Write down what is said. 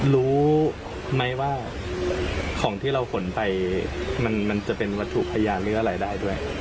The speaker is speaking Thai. รู้ไหมว่าของที่เราขนไปมันจะเป็นวัตถุพยานหรืออะไรได้ด้วย